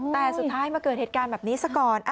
แต่สุดท้ายมาเกิดเหตุการณ์แบบนี้ซะก่อน